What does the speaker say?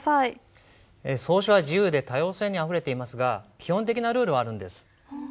草書は自由で多様性にあふれていますが基本的なルールはあるんです。